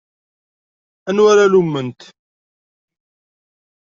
Anwa ara lumment?